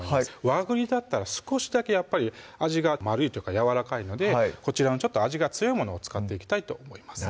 和栗だったら少しだけやっぱり味が丸いというかやわらかいのでこちらのちょっと味が強いものを使っていきたいと思います